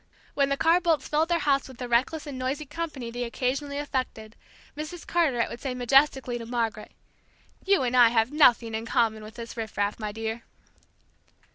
When the Carr Boldts filled their house with the reckless and noisy company they occasionally affected, Mrs. Carteret would say majestically to Margaret: "You and I have nothing in common with this riff raff, my dear!"